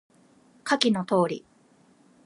下記の通り